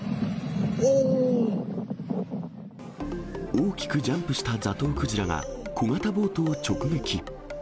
大きくジャンプしたザトウクジラが、小型ボートを直撃。